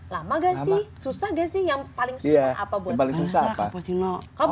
lama gak sih susah gak sih yang paling susah apa buat manusia